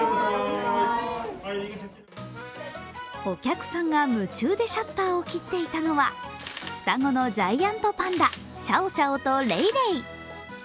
お客さんが夢中でシャッターを切っていたのは双子のジャイアントパンダ、シャオシャオとレイレイ。